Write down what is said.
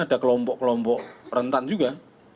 ada kelompok kelompok rentan juga